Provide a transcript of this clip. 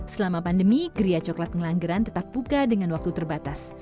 selama pandemi geria coklat ngelanggeran tetap buka dengan waktu terbatas